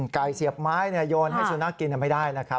เสียบไม้โยนให้สุนัขกินไม่ได้นะครับ